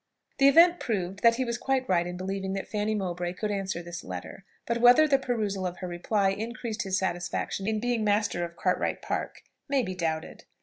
The event proved that he was quite right in believing that Fanny Mowbray would answer this letter; but whether the perusal of her reply increased his satisfaction in being master of Cartwright Park, may be doubted.